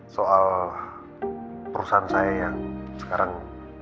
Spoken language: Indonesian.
soal perusahaan saya yang sekarang